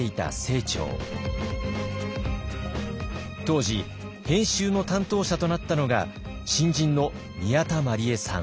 当時編集の担当者となったのが新人の宮田毬栄さん。